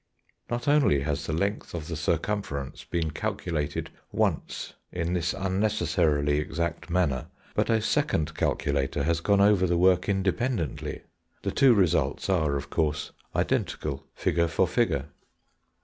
Not only has the length of the circumference been calculated once in this unnecessarily exact manner, but a second calculator has gone over the work independently. The two results are of course identical figure for figure.